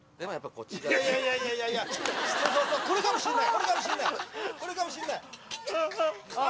これかもしんないああ